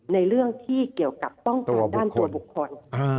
ในเรื่องที่เกี่ยวกับต้องการด้านตัวบุคคล